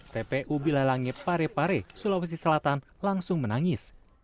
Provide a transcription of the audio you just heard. tpu bilalangge parepare sulawesi selatan langsung menangis